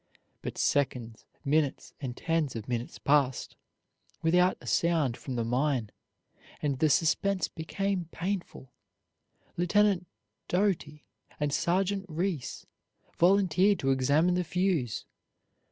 But seconds, minutes, and tens of minutes passed, without a sound from the mine, and the suspense became painful. Lieutenant Doughty and Sergeant Rees volunteered to examine the fuse.